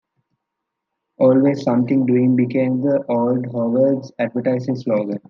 "Always Something Doing" became the Old Howard's advertising slogan.